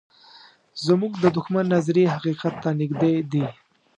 زموږ د دښمن نظریې حقیقت ته نږدې دي.